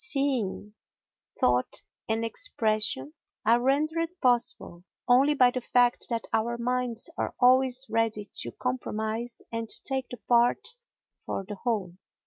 Seeing, thought and expression are rendered possible only by the fact that our minds are always ready to compromise and to take the part for the whole.